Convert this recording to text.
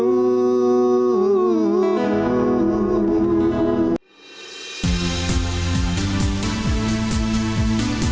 setiap saat setiap waktu